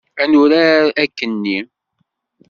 Ad nurar akkenni?